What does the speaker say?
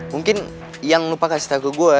mungkin yang lupa kasih taguh gue ya